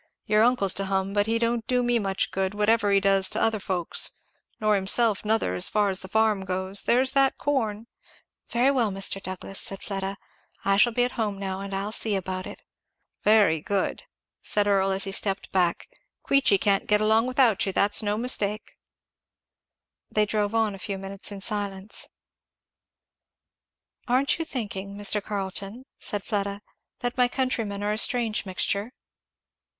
"Your uncle's to hum, but he don't do me much good, whatever he does to other folks nor himself nother, as far as the farm goes; there's that corn" "Very well, Mr. Douglass," said Fleda, "I shall be at home now and I'll see about it." "Very good!" said Earl as he stepped back, "Queechy can't get along without you, that's no mistake." They drove on a few minutes in silence. "Aren't you thinking, Mr. Carleton," said Fleda, "that my countrymen are a strange mixture?"